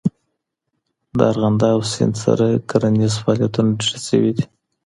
د ارغنداب سیند سره کرنیز فعالیتونه ډېر سوي دي.